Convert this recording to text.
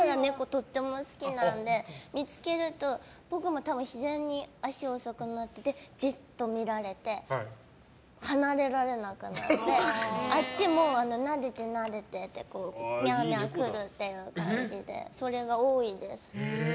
とっても好きなので見つけると、僕も自然に足遅くなって、じっと見られて離れられなくなってあっちもなでて、なでてってミャーミャー来るっていう感じでそれが多いです。